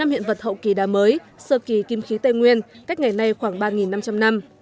năm hiện vật hậu kỳ đa mới sơ kỳ kim khí tây nguyên cách ngày nay khoảng ba năm trăm linh năm